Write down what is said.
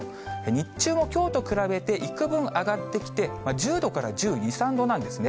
日中もきょうと比べて幾分上がってきて、１０度から１２、３度なんですね。